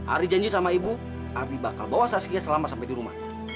adi janji sama ibu adi bakal bawa saskia selama sampai di rumah